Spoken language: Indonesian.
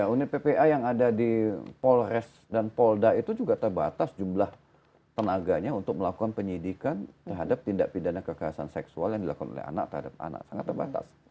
unit ppa yang ada di polres dan polda itu juga terbatas jumlah tenaganya untuk melakukan penyidikan terhadap tindak pidana kekerasan seksual yang dilakukan oleh anak terhadap anak sangat terbatas